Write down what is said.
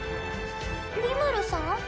リムルさん？